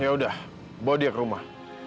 yaudah bawa dia ke rumah